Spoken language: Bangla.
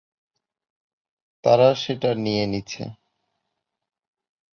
তারা সেটা নিয়ে নিছে।